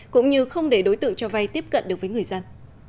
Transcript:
cũng như không để đối tượng cho vay tiếp cận được với người dân